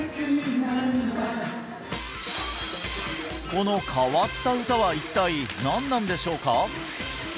この変わった歌は一体何なんでしょうか？